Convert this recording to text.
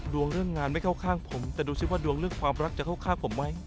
เรื่องงานไม่เข้าข้างผมแต่ดูสิว่าดวงเรื่องความรักจะเข้าข้างผมไหม